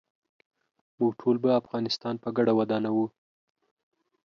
موږ ټول به افغانستان په ګډه ودانوو.